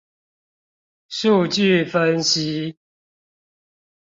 數據分析